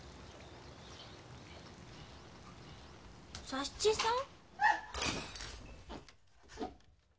・佐七さん？